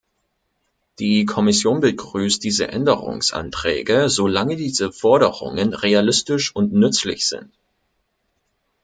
Die Kommission begrüßt diese Änderungsanträge, solange diese Forderungen realistisch und nützlich sind.